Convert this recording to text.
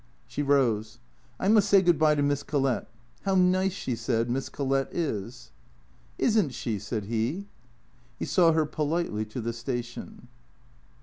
She rose. " I must say good bye to Miss Collett. How nice," she said, " Miss Collett is." " Is n't she ?" said he. He saw her politely to the station.